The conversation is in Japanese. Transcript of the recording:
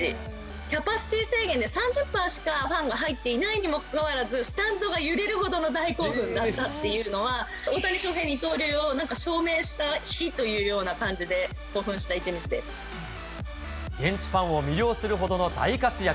キャパシティー制限で３０パーしかファンが入っていないにもかかわらず、スタンドが揺れるほどの大興奮だったっていうのは、大谷翔平・二刀流を証明した日というような感じで、興奮した一日現地ファンを魅了するほどの大活躍。